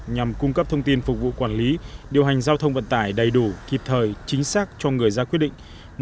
nhằm cung cấp thông tin phục vụ quản lý điều hành giao thông vận tải đầy đủ kịp thời chính xác cho người ra quyết định